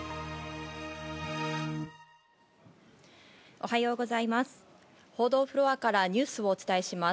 おはようございます。